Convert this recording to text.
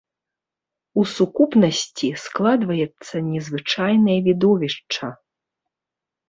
У сукупнасці складваецца незвычайнае відовішча.